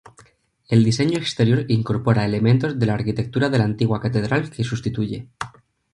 El diseño exterior incorpora elementos de la arquitectura de la antigua catedral que sustituye.